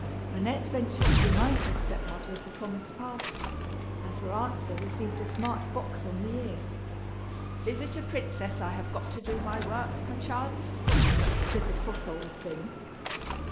Annette ventured to remind her step mother of the promised party, and, for answer, received a smart box on the ear. "Is it a princess I have got to do my work, perchance?" said the cross old thing.